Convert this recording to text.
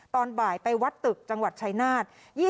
ตอนบ่ายไปวัดตึกจังหวัดชายนาฏ